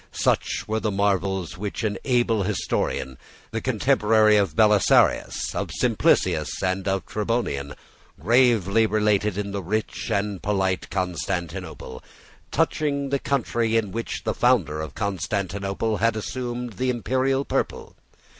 Such were the marvels which an able historian, the contemporary of Belisarius, of Simplicius, and of Tribonian, gravely related in the rich and polite Constantinople, touching the country in which the founder of Constantinople had assumed the imperial purple.